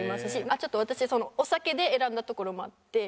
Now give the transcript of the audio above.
ちょっと私お酒で選んだところもあって。